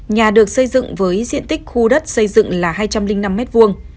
nhà được xây dựng với diện tích khu đất xây dựng là hai trăm linh năm mét vuông